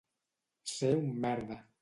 Ser un merda.